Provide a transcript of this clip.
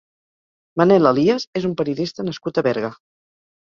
Manel Alías és un periodista nascut a Berga.